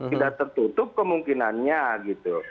tidak tertutup kemungkinannya gitu